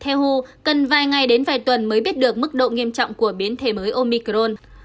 theo ho cần vài ngày đến vài tuần mới biết được mức độ nghiêm trọng của biến thể mới omicron